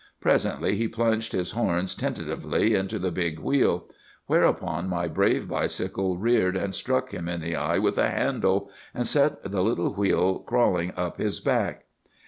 Presently he plunged his horns tentatively into the big wheel; whereupon my brave bicycle reared and struck him in the eye with a handle, and set the little wheel crawling up his back.